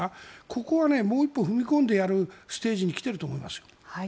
ここはもう一歩踏み込んでやるステージに来ていると思いますよ。